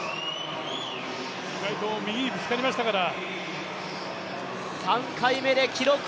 ２回とも右にぶつかりましたから。